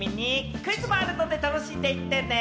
クイズもあるので楽しんでいってね。